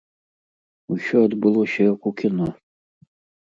Усё адбылося, як у кіно.